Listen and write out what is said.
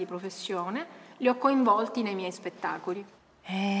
へえ。